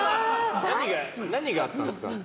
何があったんですか？